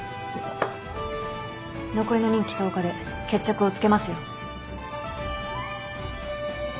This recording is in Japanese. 残りの任期１０日で決着をつけますよ。